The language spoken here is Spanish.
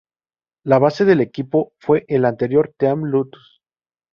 La base del equipo fue el anterior Team Lotus.